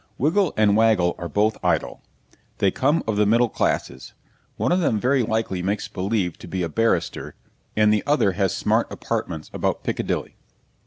Wiggle and Waggle are both idle. They come of the middle classes. One of them very likely makes believe to be a barrister, and the other has smart apartments about Piccadilly.